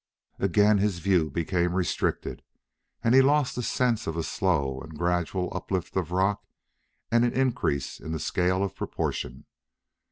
Again his view became restricted, and he lost the sense of a slow and gradual uplift of rock and an increase in the scale of proportion.